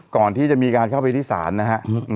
ก่อนที่จะมีการเข้าไปที่ศาลนะฮะ